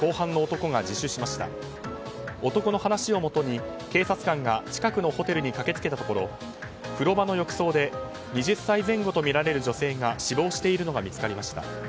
男の話をもとに警察官が近くのホテルに駆け付けたところ風呂場の浴槽で２０歳前後とみられる女性が死亡しているのが見つかりました。